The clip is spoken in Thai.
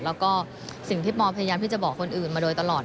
แล้วก็สิ่งที่ปอพยายามที่จะบอกคนอื่นมาโดยตลอด